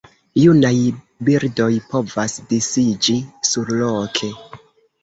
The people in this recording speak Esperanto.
Junaj birdoj povas disiĝi surloke.